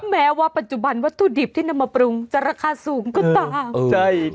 แม้ว่าปัจจุบันวัตถุดิบที่นำมาปรุงจะราคาสูงก็ตาม